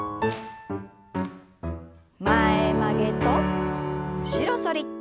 前曲げと後ろ反り。